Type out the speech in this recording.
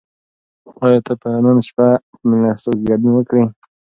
آیا ته به نن شپه په مېلمستیا کې ګډون وکړې؟